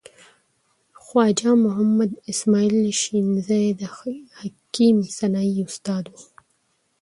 خواجه محمد اسماعیل شنیزی د حکیم سنایی استاد و.